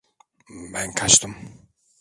Ben kaçtım.